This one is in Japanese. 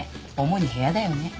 主に部屋だよね。